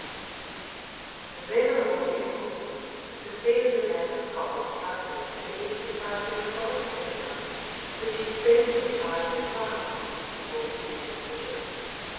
D.] The venerable Ethelwald(766) succeeded the man of God, Cuthbert, in the exercise of a solitary life, which he spent in the isle of Farne(767) before he became a bishop.